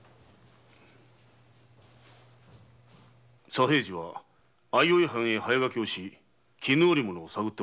左平次は相生藩へ早駆けをし絹織物を探ってまいれ。